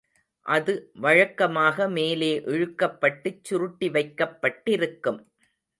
அது வழக்கமாக மேலே இழுக்கப்பட்டுச் சுருட்டிவைக்கப்பட்டிருக்கும்.